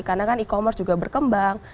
karena kan e commerce juga berkembang